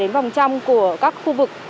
đến vòng trong của các khu vực